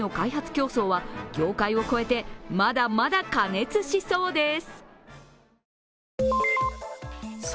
競争は業界を越えてまだまだ過熱しそうです。